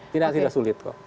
tidak sulit kok